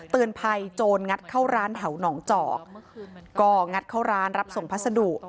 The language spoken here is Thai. เตือนภัยโจรงัดเข้าร้านแถวหนองจอกก็งัดเข้าร้านรับส่งพัสดุ